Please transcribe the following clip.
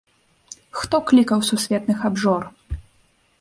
Хто клікаў сусветных абжор!